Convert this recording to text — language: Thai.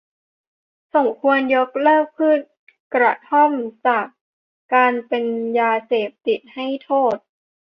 สมควรยกเลิกพืชกระท่อมจากการเป็นยาเสพติดให้โทษ